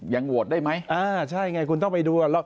ยังโหวตได้มั้ยอ่าใช่ไงคุณต้องไปดู